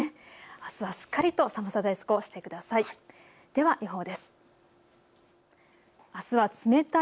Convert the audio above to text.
あすはしっかりと寒さ対策をしてください。